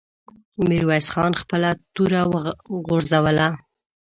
ميرويس خان خپله توره وغورځوله.